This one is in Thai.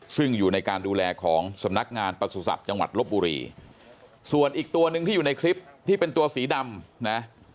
ซึ่งอยู่ในการดูแลของสำนักงานประสุทธิ์จังหวัดลบบุรีส่วนอีกตัวหนึ่งที่อยู่ในคลิปที่เป็นตัวสีดำนะ